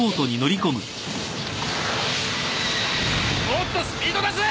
もっとスピード出せ！